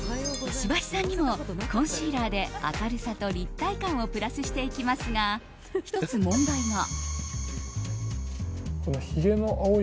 石橋さんにもコンシーラーで明るさと立体感をプラスしていきますが１つ問題が。